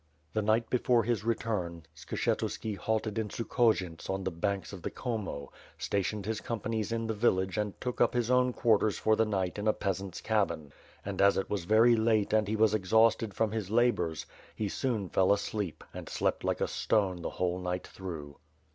The night before his return, Skshetuski halted in Sukhoj ints on the banks of the Khomo; stationed his companies in the village and took up his own quarters for the night in a peasant's cabin; and, as it was very late and he was exhausted from his labors, he soon fell apleep and slept like a stone the whole night through.